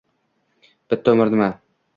Bitta umr nima?!